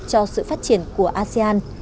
cho sự phát triển của asean